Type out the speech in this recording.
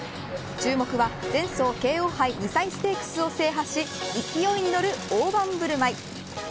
注目は前走京王杯２歳ステークスを制覇し勢いに乗るオオバンブルマイ。